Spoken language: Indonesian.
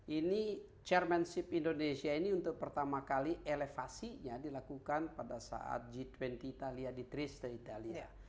ini chairmanship indonesia ini untuk pertama kali elevasinya dilakukan pada saat g dua puluh italia di triste italia